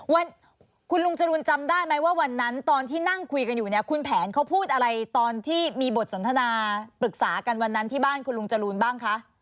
วันคุณลุงจรูนจำได้ไหมว่าวันนั้นตอนที่นั่งคุยกันอยู่เนี่ยคุณแผนเขาพูดอะไรตอนที่มีบทสนทนาปรึกษากันวันนั้นที่บ้านคุณลุงจรูนบ้างคะ